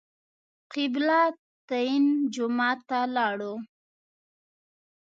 قبله تین جومات ته لاړو.